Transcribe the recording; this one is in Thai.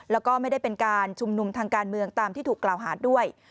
แล้วก็ไม่ได้เป็นการชุมนุมทางการเมืองตามที่ถูกกล่าวหาด้วย